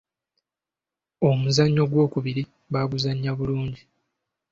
Omuzannyo ogw’okubiri baaguzannya bulungi.